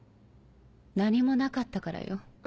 何もなかったからよ。